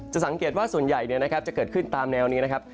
สังเกตว่าส่วนใหญ่จะเกิดขึ้นตามแนวนี้นะครับ